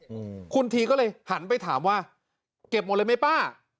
อืมคุณทีก็เลยหันไปถามว่าเก็บหมดเลยไหมป้า